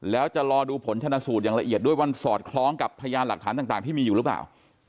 แล้วจะรอดูผลชนะสูตรอย่างละเอียดด้วยว่ามันสอดคล้องกับพยานหลักฐานต่างที่มีอยู่หรือเปล่า